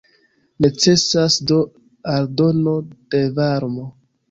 Necesas do aldono de varmo.